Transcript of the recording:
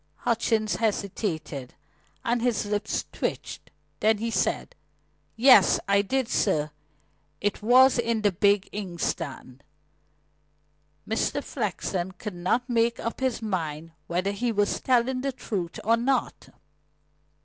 Hutchings hesitated, and his lips twitched. Then he said: "Yes, I did, sir. It was in the big inkstand." Mr. Flexen could not make up his mind whether he was telling the truth or not.